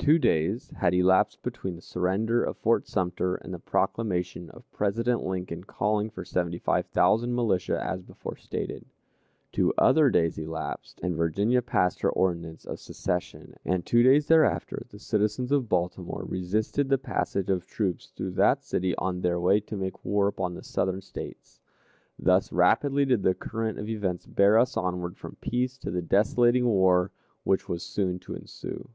Two days had elapsed between the surrender of Fort Sumter and the proclamation of President Lincoln calling for seventy five thousand militia as before stated. Two other days elapsed, and Virginia passed her ordinance of secession, and two days thereafter the citizens of Baltimore resisted the passage of troops through that city on their way to make war upon the Southern States. Thus rapidly did the current of events bear us onward from peace to the desolating war which was soon to ensue.